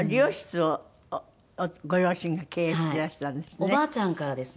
おばあちゃんからですね。